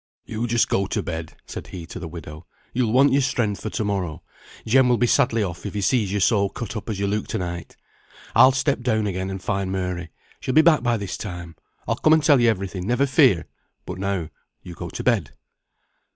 "You just go to bed," said he to the widow. "You'll want your strength for to morrow. Jem will be sadly off, if he sees you so cut up as you look to night. I'll step down again and find Mary. She'll be back by this time. I'll come and tell you every thing, never fear. But, now, you go to bed."